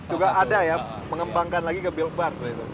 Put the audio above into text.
juga ada ya mengembangkan lagi ke bill bar